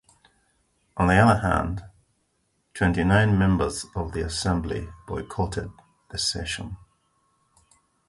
On the other hand, twenty-nine members of the Assembly boycotted the session.